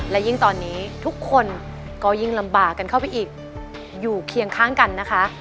และยิ่งตอนนี้ทุกคนก็ยิ่งลำบากกันเข้าไปอีกอยู่เคียงข้างกันนะคะ